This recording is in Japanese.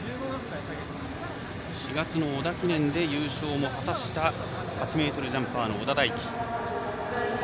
４月の織田記念で優勝も果たした８ｍジャンパーの小田大樹。